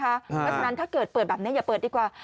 เพราะฉะนั้นถ้าเกิดเปิดแบบนี้อย่าเปิดดีกว่า